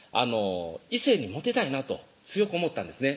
異性にモテたいなと強く思ったんですね